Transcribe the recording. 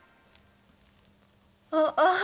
あっああ！